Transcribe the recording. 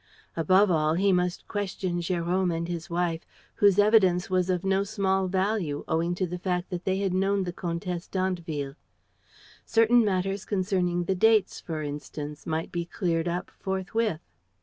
Above all, he must question Jérôme and his wife, whose evidence was of no small value, owing to the fact that they had known the Comtesse d'Andeville. Certain matters concerning the dates, for instance, might be cleared up forthwith.